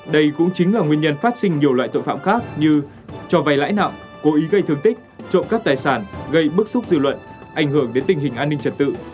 đây cũng chính là nguyên nhân phát sinh nhiều loại tội phạm khác như cho vay lãi nặng cố ý gây thương tích trộm các tài sản gây bức xúc dư luận ảnh hưởng đến tình hình an ninh trật tự